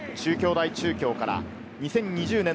中京大中京から２０２０年